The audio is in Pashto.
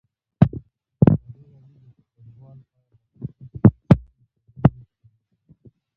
ازادي راډیو د کډوال په اړه د مخکښو شخصیتونو خبرې خپرې کړي.